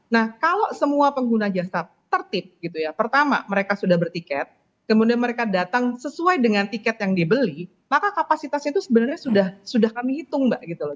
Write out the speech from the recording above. nah kalau semua pengguna jasa tertib gitu ya pertama mereka sudah bertiket kemudian mereka datang sesuai dengan tiket yang dibeli maka kapasitasnya itu sebenarnya sudah kami hitung mbak gitu loh